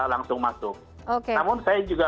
langsung masuk namun saya juga